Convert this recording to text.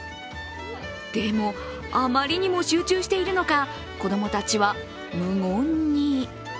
でも、あまりにも集中しているのか子供たちは無言に。